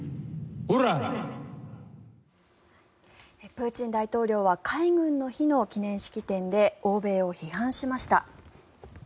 プーチン大統領は海軍の日の記念式典で欧米を批判しました。